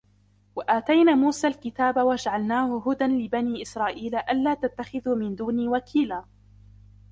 وَآتَيْنَا مُوسَى الْكِتَابَ وَجَعَلْنَاهُ هُدًى لِبَنِي إِسْرَائِيلَ أَلَّا تَتَّخِذُوا مِنْ دُونِي وَكِيلًا